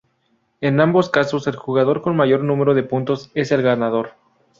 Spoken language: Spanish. En ambos casos el jugador con mayor número de puntos es el ganador.